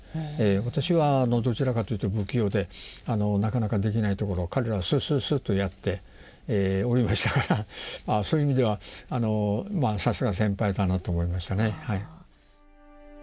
私はどちらかというと不器用でなかなかできないところを彼らはスッスッスッとやっておりましたからそういう意味ではさすが先輩だなと思いましたね。